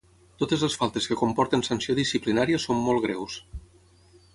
Totes les faltes que comporten sanció disciplinària són molt greus.